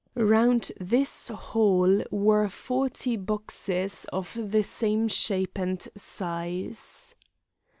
Round this hall were forty boxes of the same shape and size.